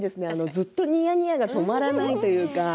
ずっとにやにやが止まらないというか。